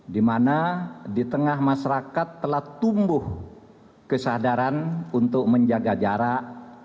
di mana di tengah masyarakat telah tumbuh kesadaran untuk menjaga jarak